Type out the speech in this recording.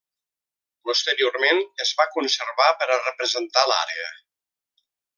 Posteriorment es va conservar per a representar l'àrea.